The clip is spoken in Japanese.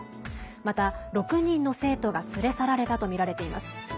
また、６人の生徒が連れ去られたとみられています。